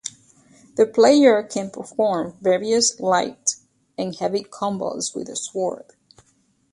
The player can perform various light and heavy combos with the sword.